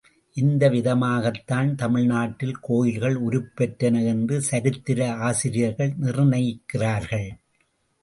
இந்த விதமாகத்தான் தமிழ்நாட்டில் கோயில்கள் உருப்பெற்றன என்று சரித்திர ஆசிரியர்கள் நிர்ணயிக்கிறார்கள்.